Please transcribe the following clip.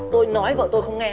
tôi nói với vợ tôi không nghe